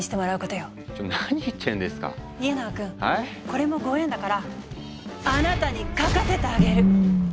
これもご縁だからあなたに描かせてあげる。